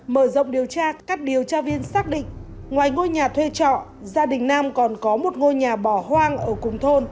mở rộng điều tra các điều tra viên xác định ngoài ngôi nhà thuê trọ gia đình nam còn có một ngôi nhà bỏ hoang ở cùng thôn